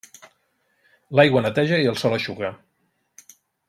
L'aigua neteja i el sol eixuga.